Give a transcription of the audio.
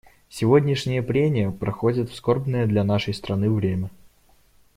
Сегодняшние прения проходят в скорбное для нашей страны время.